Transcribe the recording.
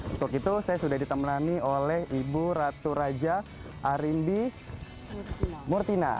untuk itu saya sudah ditemani oleh ibu ratu raja arindi murtina